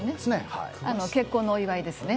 結婚のお祝いですね。